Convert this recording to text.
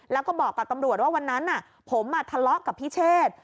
แล้วก็บอกกับตำรวจว่าวันนั้นผมทะเลาะกับพิเชษ